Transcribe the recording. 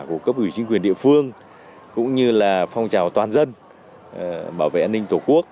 của cấp ủy chính quyền địa phương cũng như là phong trào toàn dân bảo vệ an ninh tổ quốc